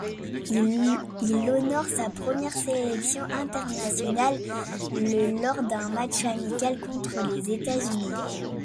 Il honore sa première sélection internationale le lors d'un match amical contre les États-Unis.